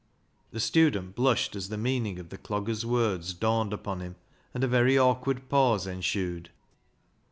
The student blushed as the meaning of the dogger's words dawned upon him, and a very awkward pause ensued.